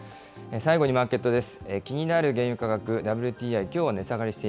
最後にマーケットです。